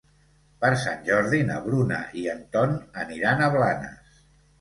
Per Sant Jordi na Bruna i en Ton aniran a Blanes.